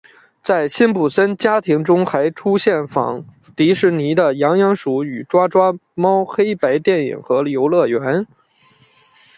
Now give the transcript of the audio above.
在辛普森家庭中还出现仿迪士尼的痒痒鼠与抓抓猫黑白电影和游乐园。